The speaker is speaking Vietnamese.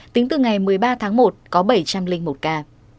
tính từ ngày một mươi ba tháng một có bảy trăm linh một ca